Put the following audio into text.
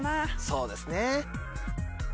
そうですね。